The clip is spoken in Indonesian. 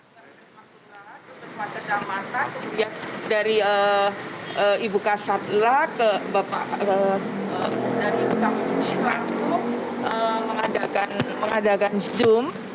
puskesmas kejamatan kemudian dari ibu kacaklah ke bapak dari kak sudin langsung mengadakan zoom